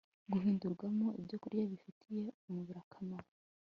guhindurwamo ibyokurya bifitiye umubiri akamaro